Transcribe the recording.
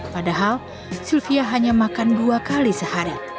padahal sylvia hanya makan dua kali sehari